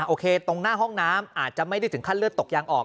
โอเคตรงหน้าห้องน้ำอาจจะไม่ได้ถึงขั้นเลือดตกยางออก